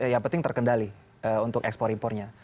yang penting terkendali untuk ekspor impornya